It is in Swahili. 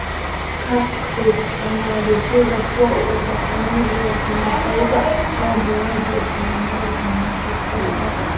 kakar anadokeza kuwa ufafanuzi wa kimataifa wa mauaji ya kimbari una vikwazo